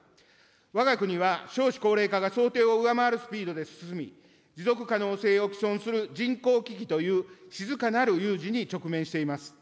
わが国は少子高齢化が想定を上回るスピードで進み、持続可能性を毀損する人口危機という静かなる有事に直面しています。